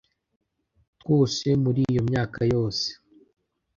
twose muri iyo myaka yose